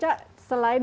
selain bidang perusahaan